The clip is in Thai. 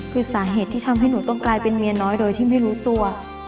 คือสาเหตุที่ทำให้หนูต้องกลายเป็นเมียน้อยโดยที่ไม่รู้ตัว